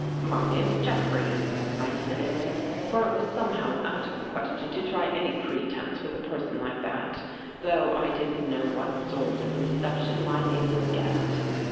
"' My name's Jeffrey,' I said, for it was some how out of the question to try any pretense with a person like that, though I didn't know what sort of reception my name would get.